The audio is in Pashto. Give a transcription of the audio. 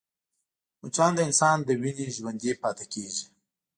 مچان د انسان له وینې ژوندی پاتې کېږي